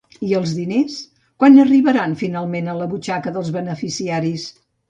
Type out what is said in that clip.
I els diners, quan arribaran finalment a la butxaca dels beneficiaris?